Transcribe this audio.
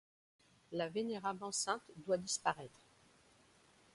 La vénérable enceinte doit disparaître.